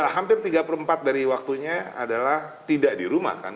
hampir tiga puluh empat dari waktunya adalah tidak di rumah kan